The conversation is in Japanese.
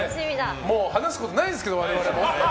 もう話すことないんですけど我々も。